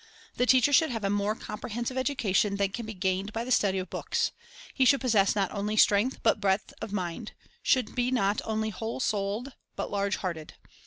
The teacher should have a more comprehensive education than can be gained by the study of books. He should possess not only strength but breadth of mind; should be not only whole souled but large hearted.